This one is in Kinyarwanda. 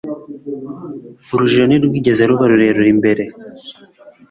urujijo ntirwigeze ruba rurerure mbere